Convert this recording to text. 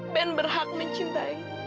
ben berhak mencintai